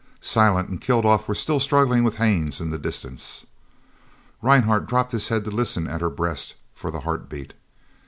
Silent and Kilduff were still struggling with Haines in the distance. Rhinehart dropped his head to listen at her breast for the heartbeat.